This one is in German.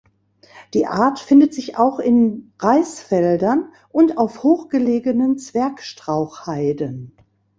Die Art findet sich auch in Reisfeldern und auf hochgelegenen Zwergstrauchheiden.